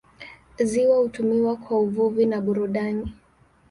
Ziwa hutumiwa kwa uvuvi na burudani.